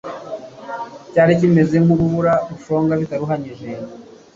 cyari kimeze nk'urubura rushonga bitaruhanyije